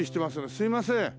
すいません。